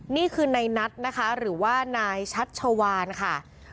นี่คือในนัทนะคะหรือว่านายชัชวานค่ะ